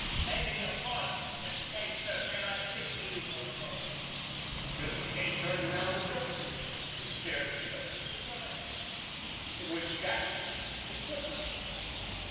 "Begging your pardon, Mr. Kane, sir, may I speak to you for a moment?" Billy Kane turned around abruptly. He stared at the other in surprise. It was Jackson, the footman.